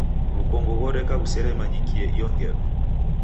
W'ukongo ghoreka ghuseremanyikie iyo ngelo.